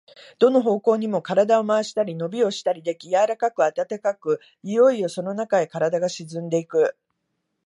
どの方向にも身体を廻したり、のびをしたりでき、柔かく暖かく、いよいよそのなかへ身体が沈んでいく。